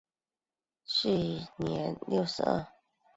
卒年六十二。